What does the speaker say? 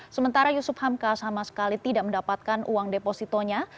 sementara yusuf hamka sama sekali tidak mendapatkan uang depositonya